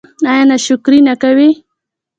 ایا ناشکري نه کوئ؟